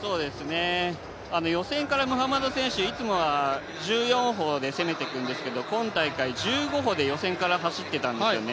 予選からムハマド選手、いつもは１４歩で攻めていくんですけど今大会１５歩で予選から走っていたんですね。